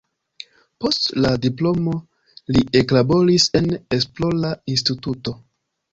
Post la diplomo li eklaboris en esplora instituto.